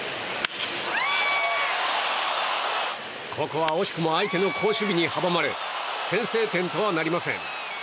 ここは惜しくも相手の好守備に阻まれ、先制点とはなりません。